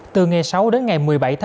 từ ngày sáu đến ngày một mươi bảy